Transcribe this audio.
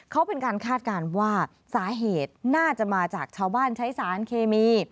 เขาเป็นการคาดการณ์ว่าสาเหตุน่าจะมาจากชาวบ้านใช้สารเคมี